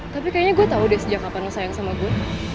tapi kayaknya gue tau deh sejak kapan lu sayang sama gue